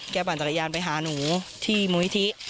ปั่นจักรยานไปหาหนูที่มูลนิธิ